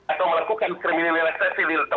atau melakukan kriminalisasi di tempat tempat yang lain